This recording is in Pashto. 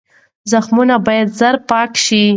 زخمونه باید زر پاک شي.